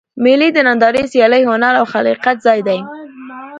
مېلې د نندارې، سیالۍ، هنر او خلاقیت ځای دئ.